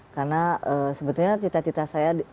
karena sebetulnya cita cita saya